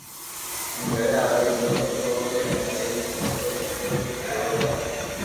ھين گھري آوين جويو تو او ري تي ايڪ موٽو بنگلو ٺيو ڙو ھي